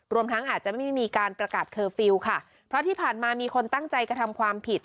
ทั้งอาจจะไม่มีการประกาศเคอร์ฟิลล์ค่ะเพราะที่ผ่านมามีคนตั้งใจกระทำความผิด